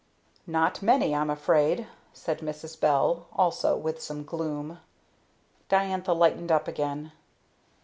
"Not many, I'm afraid," said Mrs. Bell, also with some gloom. Diantha lightened up again.